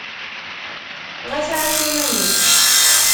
Ɣas ɛass iman-nnek!